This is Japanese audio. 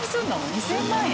２０００万円？